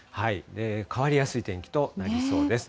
変わりやすい天気となりそうです。